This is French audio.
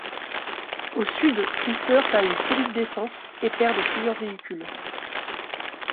Au sud, ils se heurtent à une solide défense et perdent plusieurs véhicules.